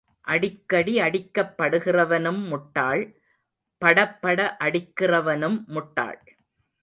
அடிக்க அடிக்கப் படுகிறவனும் முட்டாள் படப்பட அடிக்கிறவனும் முட்டாள்.